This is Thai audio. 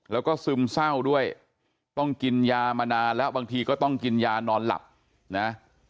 แล้วก็ซึมเศร้าด้วยต้องกินยามานานแล้วบางทีก็ต้องกินยานอนหลับนะ